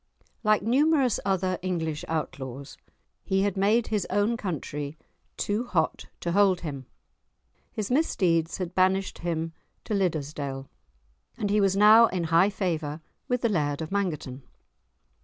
Like numerous other English outlaws, he had made his own country too hot to hold him; his misdeeds had banished him to Liddesdale, and he was now in high favour with the Laird of Mangerton.